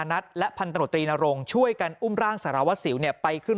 นัดและพันตรวจตรีนรงช่วยกันอุ้มร่างสารวัสสิวเนี่ยไปขึ้น